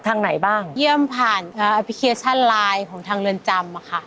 ทางไหนบ้างเยี่ยมผ่านเอออัพเกียรตชั่นไลน์ของทางเรินจำอะคะ